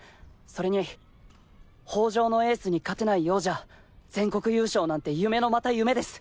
それに法城のエースに勝てないようじゃ全国優勝なんて夢のまた夢です。